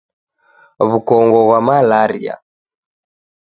Wukongo ghwa malaria